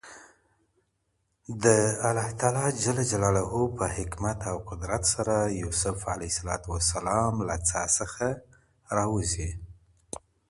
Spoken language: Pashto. د الله تعالی په حکمت او قدرت سره يوسف له څاه څخه راوځي.